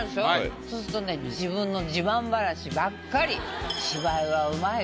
そうするとね自分の自慢話ばっかり。